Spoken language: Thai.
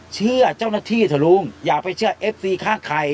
เชื่อเจ้าหน้าที่เถอะลุงอย่าไปเชื่อเอฟซีข้างใคร